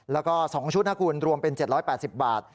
แล้วก็๒ชุดนะคุณรวมเป็น๗๘๐บาท